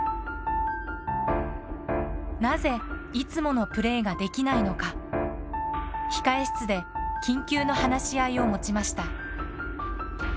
なぜいつものプレーができないのか控え室で緊急の話し合いを持ちました。